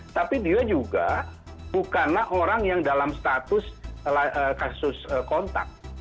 tapi dia juga bukanlah orang yang dalam status kasus kontak